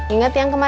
ingat yang kemarin